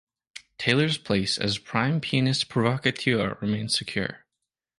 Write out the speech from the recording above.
Taylor’s place as prime pianistic provocateur remains secure.